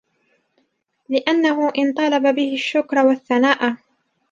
لِأَنَّهُ إنْ طَلَبَ بِهِ الشُّكْرَ وَالثَّنَاءَ